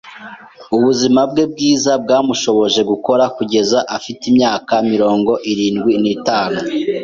Ubuzima bwe bwiza bwamushoboje gukora kugeza afite imyaka mirongo irindwi n'itanu.